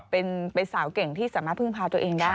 เป็นสาวเก่งที่สามารถพึ่งพาตัวเองได้